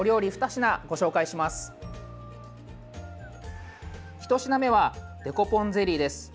１品目はデコポンゼリーです。